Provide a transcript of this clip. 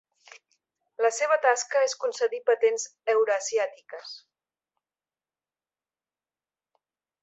La seva tasca és concedir patents eurasiàtiques.